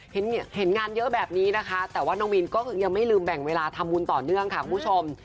เห็นงานเยอะแบบนี้นะคะหน้ากริ๊นตคนว่าน้องมินพรทิวาคุณก็คือยังไม่ลืมแบ่งเวลาทำวุณต่อเนื่องนะคะคุณผู้ชม